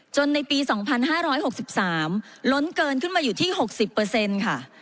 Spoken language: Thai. ในปี๒๕๖๓ล้นเกินขึ้นมาอยู่ที่๖๐ค่ะ